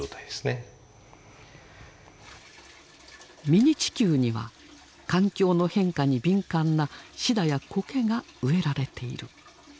ミニ地球には環境の変化に敏感なシダやコケが植えられている。